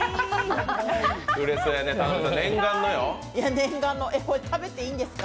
念願の、これ食べていいんですか。